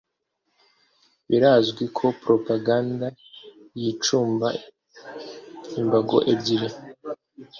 birazwi ko propagande yicumba imbago ebyili: